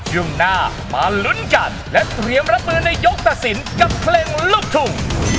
ช่วงหน้ามาลุ้นกันและเตรียมรับมือในยกตัดสินกับเพลงลูกทุ่ง